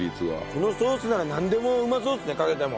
このソースならなんでもうまそうですねかけても。